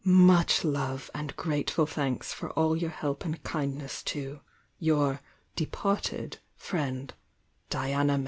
"Much love and grateful thanks for all your help and kindness to "Your 'departed' friend, "DuNA Mat."